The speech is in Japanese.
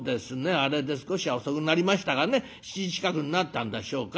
あれで少しは遅くなりましたがね７時近くになったんでしょうか。